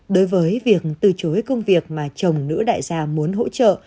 đối với việc từ chối công việc mà chồng nữ đại gia muốn hỗ trợ